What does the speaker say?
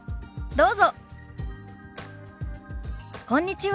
どうぞ。